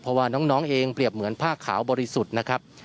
เพราะว่าน้องเองเปรียบเหมือนผ้าขาวบริสุทธิ์นะครับ